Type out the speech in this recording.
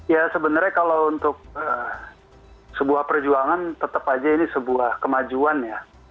ya sebenarnya kalau untuk sebuah perjuangan tetap aja ini sebuah kemajuan ya